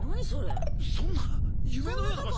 そんな夢のような場所が。